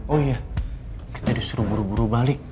oh iya kita disuruh buru buru balik